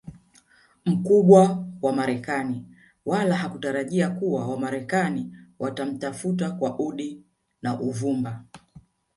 mkubwa wa marekani wala hakutarajia kuwa wamarekani watamtafuta kwa udi na uvumba